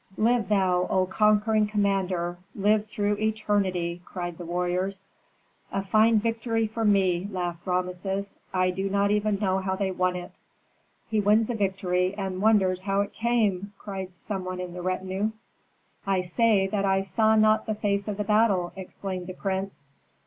"Live thou, O conquering commander, live through eternity!" cried the warriors. "A fine victory for me!" laughed Rameses. "I do not know even how they won it." "He wins a victory, and wonders how it came!" cried some one in the retinue. "I say that I saw not the face of the battle," explained the prince.